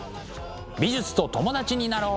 美術と友達になろう！